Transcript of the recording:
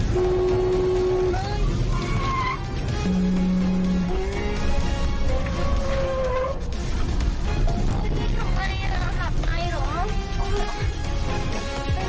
พี่พี่หลับไปหรือหลับไปหรือ